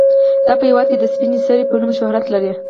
دا په هیواد کې د سپینې سرې په نوم شهرت لري.